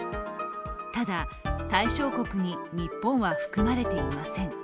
ただ、対象国に日本は含まれていません。